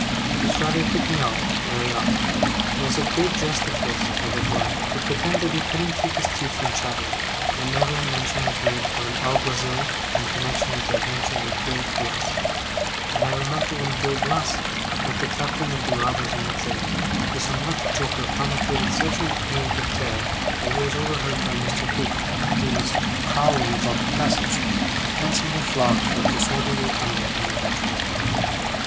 This rather put me out, very often. It was a great jest of his, I recollect, to pretend that he couldn't keep his teeth from chattering, whenever mention was made of an Alguazill in connexion with the adventures of Gil Blas; and I remember that when Gil Blas met the captain of the robbers in Madrid, this unlucky joker counterfeited such an ague of terror, that he was overheard by Mr. Creakle, who was prowling about the passage, and handsomely flogged for disorderly conduct in the bedroom.